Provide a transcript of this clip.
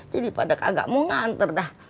jadi pada kagak mau nganter dah